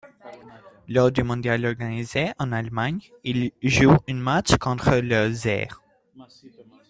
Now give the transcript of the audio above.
Lors du mondial organisé en Allemagne, il joue un match contre le Zaïre.